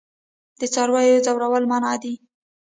د څارویو ځورول منع دي.